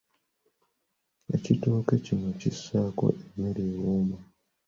Ekitooke kino kissaako emmere ewooma.